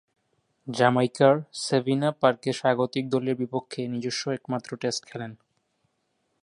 জ্যামাইকার Sabina পার্কে স্বাগতিক দলের বিপক্ষে নিজস্ব একমাত্র টেস্টে খেলেন।